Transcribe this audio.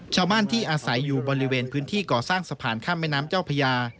ชาวบ้านที่อาศัยอยู่บริเวณพื้นที่ก่อสร้างสะพานข้ามแม่น้ำเจ้าพญา